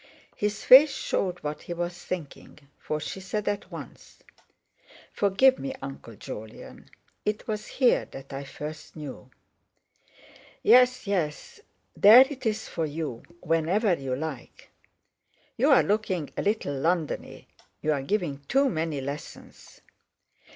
His face showed what he was thinking, for she said at once: "Forgive me, Uncle Jolyon; it was here that I first knew." "Yes, yes; there it is for you whenever you like. You're looking a little Londony; you're giving too many lessons."